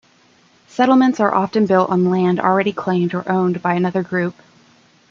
Settlements are often built on land already claimed or owned by another group.